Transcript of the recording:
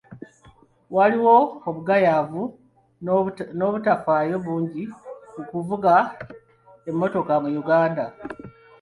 Waliwo obugayaavu n'obutafaayo bungi mu kuvuga emmotoka mu Uganda.